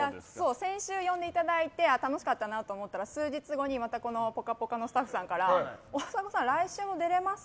先週呼んでいただいて楽しかったなと思ったら数日後にまた「ぽかぽか」のスタッフさんから大迫さん、来週も出れます？